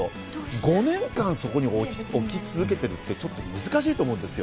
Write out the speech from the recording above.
５年間、そこに置き続けているって、ちょっと難しいと思うんですよ。